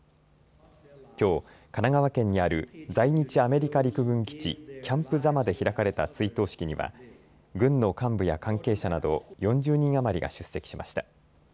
きょう、神奈川県にある在日アメリカ陸軍基地キャンプ座間で開かれた追悼式には軍の幹部や関係者など４０人余りが出席しました。